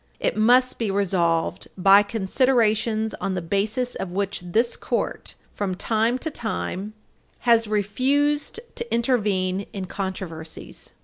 It must be resolved by considerations on the basis of which this Court, from time to time, has refused to intervene in controversies.